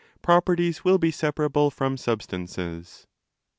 properties will, be separable from substances.